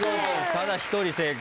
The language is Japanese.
ただ一人正解。